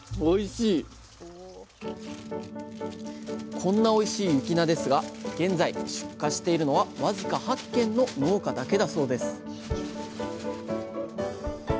こんなおいしい雪菜ですが現在出荷しているのは僅か８軒の農家だけだそうです